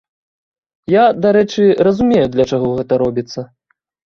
Я, дарэчы, разумею, для чаго гэта робіцца.